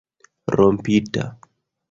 rompita